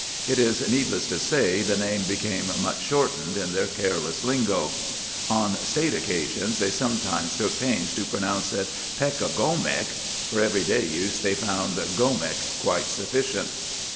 It is needless to say the name became much shortened in their careless lingo. On state occasions they sometimes took pains to pronounce it 'Peckagomic.' For every day use they found 'Gomic' quite sufficient.